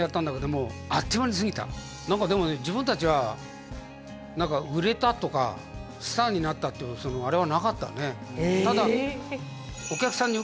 何か何かでもね自分達は売れたとかスターになったっていうあれはなかったね